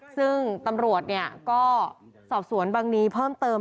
ซึ่งตำรวจก็สอบสวนบังนีเพิ่มเติม